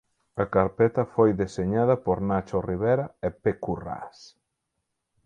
A carpeta foi deseñada por Nacho Rivera e P. Currás.